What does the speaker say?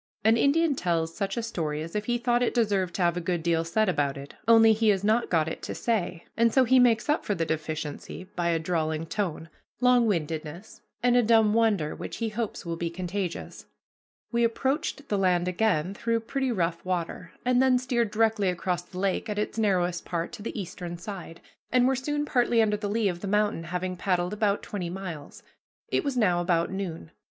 An Indian tells such a story as if he thought it deserved to have a good deal said about it, only he has not got it to say, and so he makes up for the deficiency by a drawling tone, long windedness, and a dumb wonder which he hopes will be contagious. We approached the land again through pretty rough water, and then steered directly across the lake at its narrowest part to the eastern side, and were soon partly under the lee of the mountain, having paddled about twenty miles. It was now about noon.